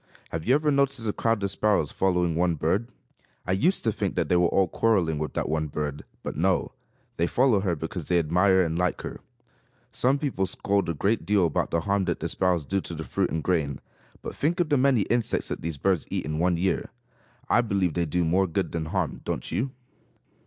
Have you ever noticed a crowd of sparrows following one bird? I used to think that they were all quarreling with that one bird; but no, they follow her because they admire and like her. Some people scold a great deal about the harm that the sparrows do to the fruit and grain. But think of the many insects that these birds eat in one year! I believe they do more good than harm, don't you?